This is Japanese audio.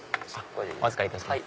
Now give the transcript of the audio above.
お預かりいたします